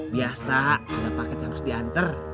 biasa ada paket yang harus diantar